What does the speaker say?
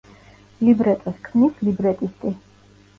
ლიბრეტოს ქმნის ლიბრეტისტი.